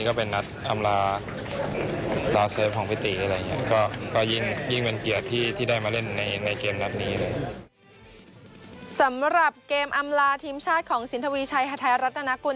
และครั้งนี้ก็เป็นเกียรติสำหรับตัวผมเหมือนกัน